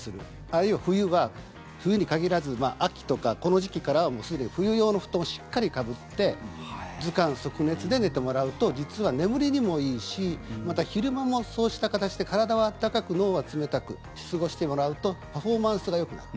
あるいは冬は冬に限らず秋とかこの時期からはすでに冬用の布団をしっかりかぶって頭寒足熱で寝てもらうと実は眠りにもいいしまた、昼間もそうした形で体は温かく、脳は冷たく過ごしてもらうとパフォーマンスがよくなる。